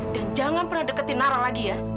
dan jangan pernah deketin nara lagi ya